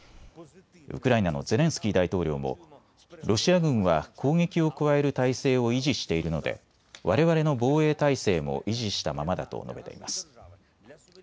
ウクライナのゼレンスキー大統領もロシア軍は攻撃を加える態勢を維持しているのでわれわれの防衛態勢も維持したままだと述べています。